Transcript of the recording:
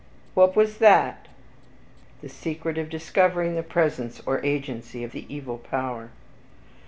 "What was that?" "The secret of discovering the presence or agency of the evil power."